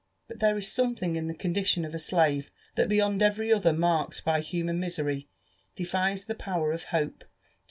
Bui there is something in the condition of a slave that, beyond every other marked by human misery, deGes the power of hope to.